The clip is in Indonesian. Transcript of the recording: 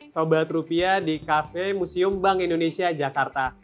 sobat rupiah di kafe museum bank indonesia jakarta